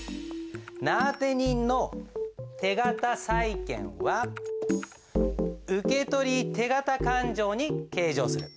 名あて人の手形債権は受取手形勘定に計上する。